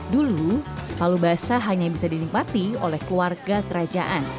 dulu palu basah hanya bisa dinikmati oleh keluarga kerajaan